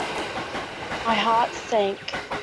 My heart sank.